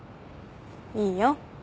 いいよ。